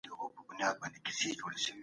تاریخ ته په ایډیالوژیکو سترګو مه ګورئ.